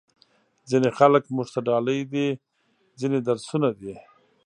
ځینې خلک موږ ته ډالۍ دي، ځینې درسونه دي.